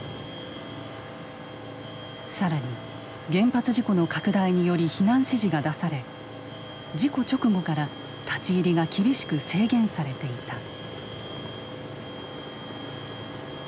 更に原発事故の拡大により避難指示が出され事故直後から立ち入りが厳しく制限されていた。